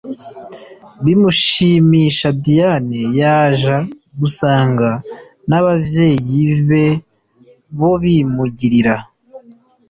bimushimisha Diane yaja gusanga nabavyeyibe bobimugirira…